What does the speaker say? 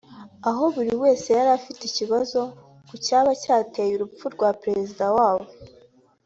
aho buri wese yari afite ikibazo ku cyaba cyateye urupfu rwa Perezida wabo